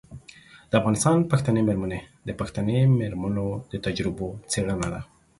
د افغانستان پښتنې میرمنې د پښتنې میرمنو د تجربو څیړنه ده.